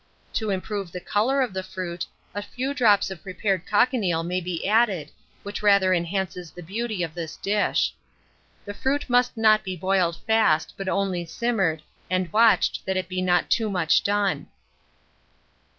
To improve the colour of the fruit, a few drops of prepared cochineal may be added, which rather enhances the beauty of this dish. The fruit must not be boiled fast, but only simmered, and watched that it be not too much done.